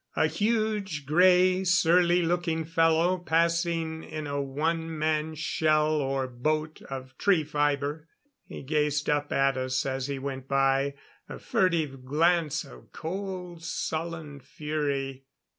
A huge grey, surly looking fellow passing in a one man shell or boat of tree fibre. He gazed up at us as he went by a furtive glance of cold, sullen fury.